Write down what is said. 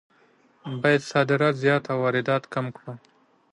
باید صادرات زیات او واردات کم کړو.